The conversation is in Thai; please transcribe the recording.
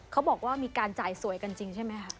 เขาบอกว่ามีการจ่ายสวยกันจริงใช่ไหมคะ